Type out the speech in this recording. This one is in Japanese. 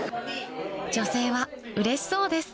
女性はうれしそうです